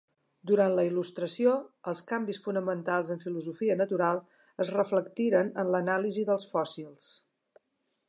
Durant la Il·lustració, els canvis fonamentals en filosofia natural es reflectiren en l'anàlisi dels fòssils.